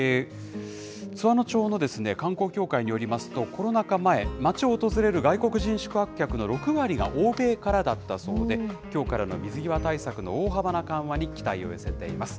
津和野町の観光協会によりますと、コロナ禍前、街を訪れる外国人宿泊客の６割が、欧米からだったそうで、きょうからの水際対策の大幅な緩和に期待を寄せています。